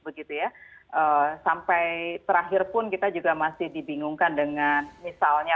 begitu ya sampai terakhir pun kita juga masih dibingungkan dengan misalnya